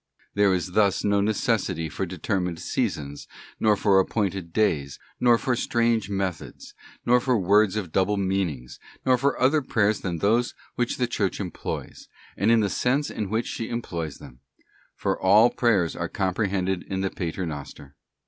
There is thus no necessity for determined seasons, nor for appointed days, nor for strange methods, nor for words of double meanings, nor for other prayers than those which the Church employs, and in the sense in which she employs them ; for all prayers are comprehended in the Pater Noster.